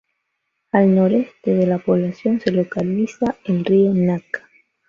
Al noreste de la población se localiza el río Naka.